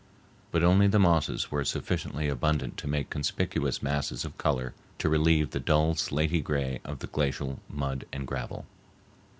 But only the mosses were sufficiently abundant to make conspicuous masses of color to relieve the dull slaty gray of the glacial mud and gravel.